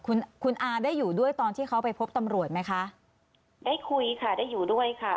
คุณคุณอาได้อยู่ด้วยตอนที่เขาไปพบตำรวจไหมคะได้คุยค่ะได้อยู่ด้วยค่ะ